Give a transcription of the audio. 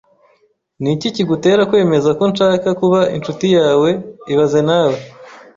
Ni iki kigutera kwemeza ko nshaka kuba inshuti yawe ibaze nawe